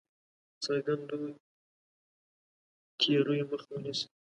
څرګندو تېریو مخه ونیسي.